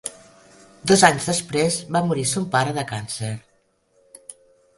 Dos anys després va morir son pare de càncer.